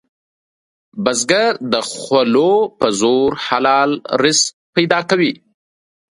بزګر د خولو په زور حلال رزق پیدا کوي